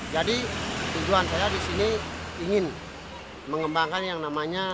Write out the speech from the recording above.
jadi tujuan saya di sini ingin mengembangkan yang namanya